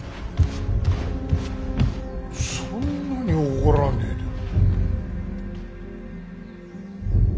そんなに怒らねえでも。